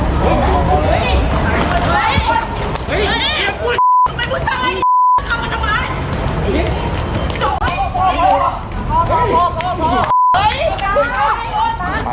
มันเป็นผู้ชายเอามาทำร้าย